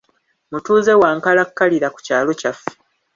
Mutuuze wa nkalakkalira ku kyalo kyaffe.